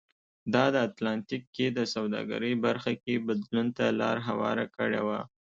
دا د اتلانتیک کې د سوداګرۍ برخه کې بدلون ته لار هواره کړې وه.